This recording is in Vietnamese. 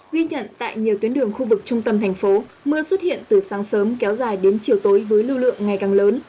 ghi nhận tại nhiều tuyến đường khu vực trung tâm thành phố mưa xuất hiện từ sáng sớm kéo dài đến chiều tối với lưu lượng ngày càng lớn